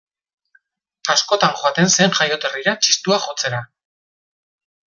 Askotan joaten zen jaioterrira txistua jotzera.